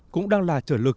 cũng đang là trở lực